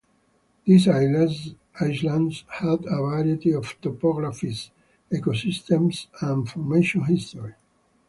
These islands have a variety of topographies, ecosystems and formation history.